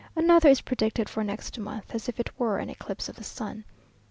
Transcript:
Another is predicted for next month, as if it were an eclipse of the sun.